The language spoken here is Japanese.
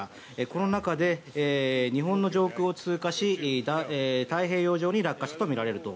この中で、日本の上空を通過し太平洋上に落下したとみられると。